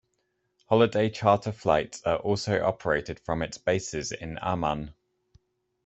Holiday Charter Flights are also operated from its bases in Amman.